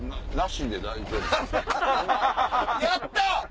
やった！